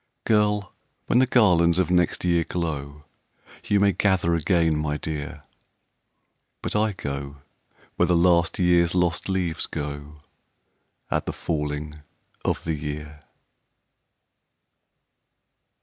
Girl! when the garlands of next year glow, YOU may gather again, my dear But I go where the last year's lost leaves go At the falling of the year."